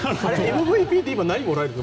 ＭＶＰって今、何もらえるの？